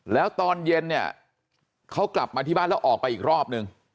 แล้วตอนเย็นเนี่ยเขากลับมาที่บ้านแล้วออกไปอีกรอบนึง